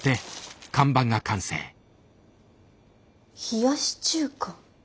冷やし中華。